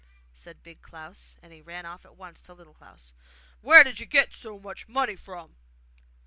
said Big Klaus, and he ran off at once to Little Klaus. 'Where did you get so much money from?